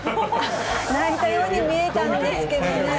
泣いたように見えたんですけどね。